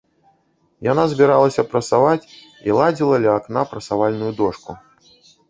Яна збіралася прасаваць і ладзіла ля акна прасавальную дошку.